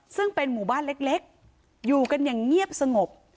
ซึ่งเป็นหมู่บ้านเล็กอยู่กันอย่างเงียบสงบ